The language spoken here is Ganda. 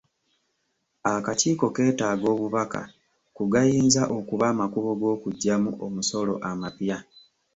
Akakiiko keetaaga obubaka ku gayinza okuba amakubo g'okuggyamu omusolo amapya.